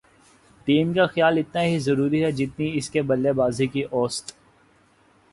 team کا خیال اتنا ہی ضروری ہے جتنی اس کی بلےبازی کی اوسط